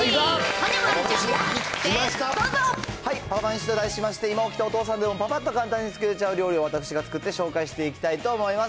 ほんじゃ、丸ちゃん張り切って、パパめしと題しまして、今起きたお父さんでも、ぱぱっと作れちゃう料理を私が作って紹介していきたいと思います。